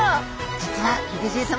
実はヒゲじい様